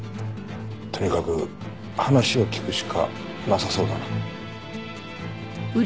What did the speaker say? とにかく話を聞くしかなさそうだな。